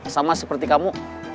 sama seperti kamu